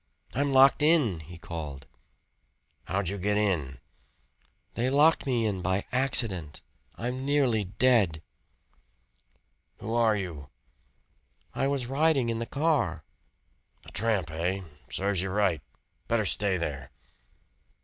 "I'm locked in," he called. . "How'd you get in?" "They locked me in by accident. I'm nearly dead." "Who are you?" "I was riding in the car." "A tramp, hey? Serves ye right! Better stay there!"